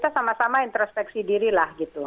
kita sama sama introspeksi diri lah gitu